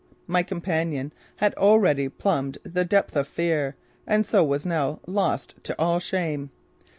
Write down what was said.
My companion had already plumbed the depths of fear and so was now lost to all shame.